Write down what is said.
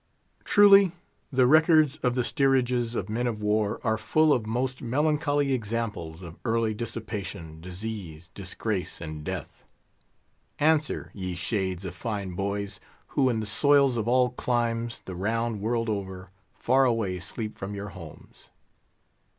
Truly, the records of the steerages of men of war are full of most melancholy examples of early dissipation, disease, disgrace, and death. Answer, ye shades of fine boys, who in the soils of all climes, the round world over, far away sleep from your homes.